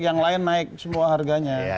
yang lain naik semua harganya